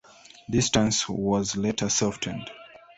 This stance was later softened.